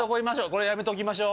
これやめときましょう。